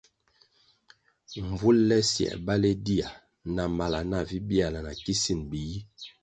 Mvul le siē baleh dia na mala nah vi biala na kisin biyi.